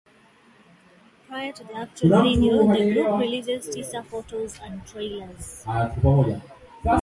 Prior to the actual video, the group releases teaser photos and trailers.